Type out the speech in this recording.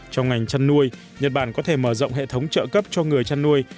trong ngành chăn nuôi nhật bản có thể mở rộng hệ thống trợ cấp cho người chăn nuôi